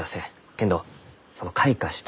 けんどその開花した